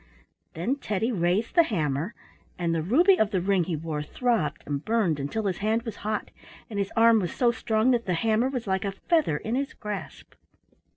Then Teddy raised the hammer, and the ruby of the ring he wore throbbed and burned until his hand was hot, and his arm was so strong that the hammer was like a feather in his grasp.